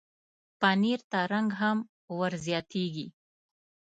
پنېر ته رنګ هم ورزیاتېږي.